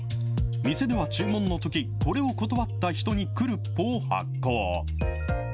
店では注文のとき、これを断った人にクルッポを発行。